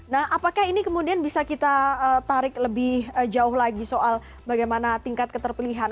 nah apakah ini kemudian bisa kita tarik lebih jauh lagi soal bagaimana tingkat keterpilihan